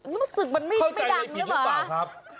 รู้สึกมันไม่ดังหรือเปล่าค่อยใจในผิดหรือเปล่าครับ